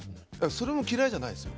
それも嫌いじゃないですよ。